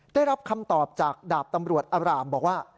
ได้รับคำตอบจากดาบตำรวจอารามบอกว่า